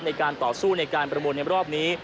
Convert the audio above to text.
ในการต่อสู้ในการประมูลในรอบนี้